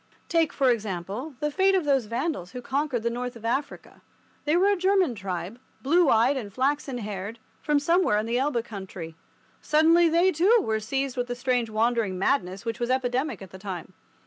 Take, for example, the fate of those Vandals who conquered the north of Africa. They were a German tribe, blue eyed and flaxen haired, from somewhere in the Elbe country. Suddenly they, too, were seized with the strange wandering madness which was epidemic at the time.